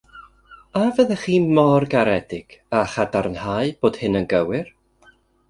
A fyddech chi mor garedig â chadarnhau bod hyn yn gywir.